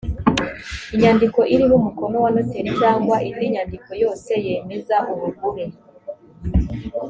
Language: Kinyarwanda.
inyandiko iriho umukono wa noteri cyangwa indi nyandiko yose yemeza ubugure